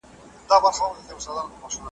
شتمنو خلکو د لوږې له سختیو لږ کړاونه ولیدله.